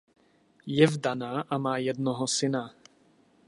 Je vdaná a má jednoho syna.